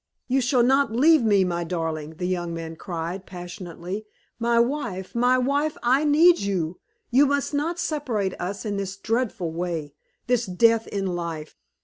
"You shall not leave me, my darling!" the young man cried, passionately. "My wife, my wife, I need you! You must not separate us in this dreadful way, this death in life.